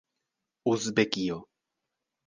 uzbekio